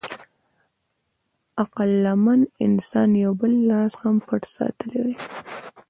عقلمن انسان یو بل راز هم پټ ساتلی و.